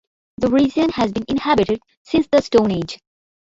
The region has been inhabited since the Stone Age.